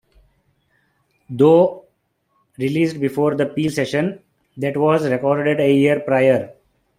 Though released before "The Peel Session", that was recorded a year prior.